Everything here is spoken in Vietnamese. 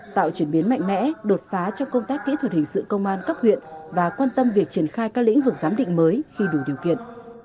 tạo chuyển biến mạnh mẽ đột phá trong công tác kỹ thuật hình sự công an cấp huyện và quan tâm việc triển khai các lĩnh vực giám định mới khi đủ điều kiện